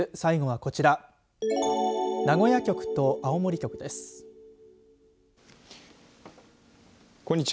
こんにちは。